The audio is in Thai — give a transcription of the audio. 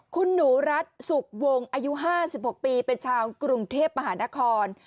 คุณหนูรัฐสุขวงอายุ๕๖ปีเป็นชาวกรุงเทพมหานคร